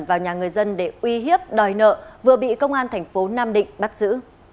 vào nhà người dân để uy hiếp đòi nợ vừa bị công an thành phố nam định bắt giữ